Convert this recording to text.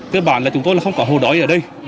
cơ bản là chúng tôi không có hồ đói ở đây